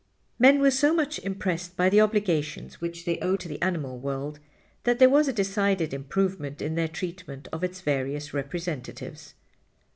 Men were so much impressed by the obligations which they owed to the animal world that there was a decided improvement in their treatment of its various representatives.